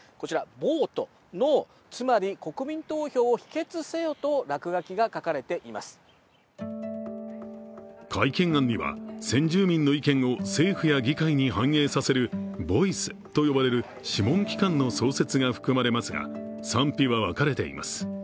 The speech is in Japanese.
「ＶＯＴＥＮＯ」、つまり国民投票を否決せよと改憲案には先住民の意見を政府や議会に反映させる「ＶＯＩＣＥ」と呼ばれる諮問機関の創設が含まれますが賛否は分かれています。